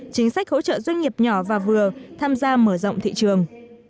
chính sách hỗ trợ doanh nghiệp nhỏ và vừa tham gia mở rộng thị trường